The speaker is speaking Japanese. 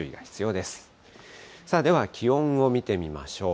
では気温を見てみましょう。